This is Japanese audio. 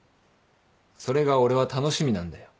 それが俺は楽しみなんだよ。